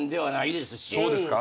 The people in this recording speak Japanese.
そうですか？